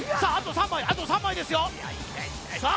あと３枚ですよさあ